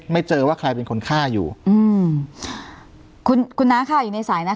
ไม่เจอว่าใครเป็นคนฆ่าอยู่อืมคุณคุณน้าค่ะอยู่ในสายนั้น